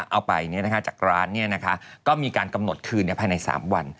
เอาไปจากร้านก็มีการกำหนดคืนภายใน๓วัน